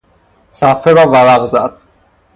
صفحه را ورق زد.